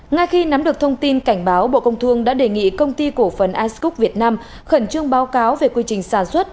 ngay khi nắm được thông tin cảnh báo bộ công thương đã đề nghị công ty cổ phần iskok việt nam khẩn trương báo cáo về quy trình sản xuất